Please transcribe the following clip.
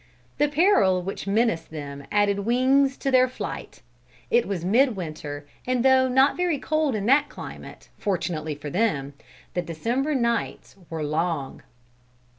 The peril which menaced them added wings to their flight. It was mid winter, and though not very cold in that climate, fortunately for them, the December nights were long.